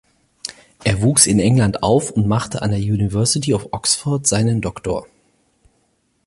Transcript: Er wuchs in England auf und machte an der University of Oxford seinen Doktor.